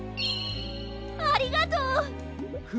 ありがとう。フム。